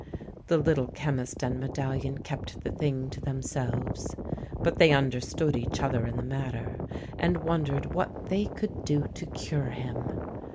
The Little Chemist and Medallion kept the thing to themselves, but they understood each other in the mat ter, and wondered what they could do to cure him.